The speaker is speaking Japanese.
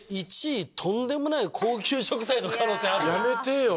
やめてよ